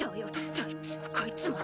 どいつもこいつも。